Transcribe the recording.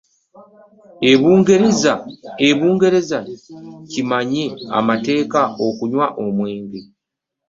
Ebungereza kimenya mateeka okunywa omwenge.